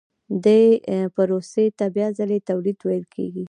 دې پروسې ته بیا ځلي تولید ویل کېږي